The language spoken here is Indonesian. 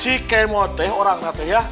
si kemoteh orang nate ya